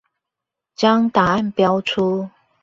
將答案標出